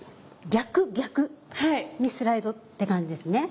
逆逆にスライドって感じですね。